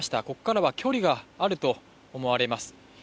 ここからは距離があると思われます。